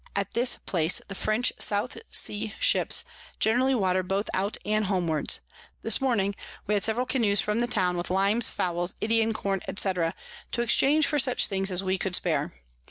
At this place the French South Sea Ships generally water both out and homewards. This Morning we had several Canoes from the Town, with Limes, Fowls, Indian Corn, &c. to exchange for such things as we could spare.